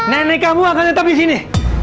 nenek kamu akan tetap di sini